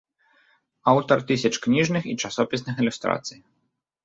Аўтар тысяч кніжных і часопісных ілюстрацый.